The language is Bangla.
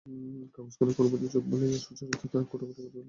কাগজখানায় কোনোমতে চোখ বুলাইয়াই সুচরিতা তাহা কুটিকুটি করিয়া ছিঁড়িতেছিল।